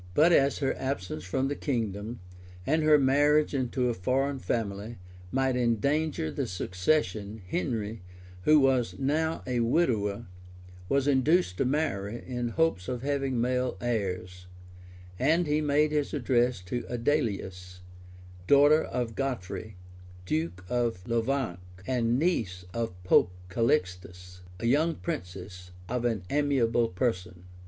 ] But as her absence from the kingdom, and her marriage into a foreign family, might endanger the succession, Henry, who was now a widower, was induced to marry, in hopes of having male heirs; and he made his addresses to Adelais, daughter of Godfrey, duke of Lovainc, and niece of Pope Calixtus, a young princess of an amiable person.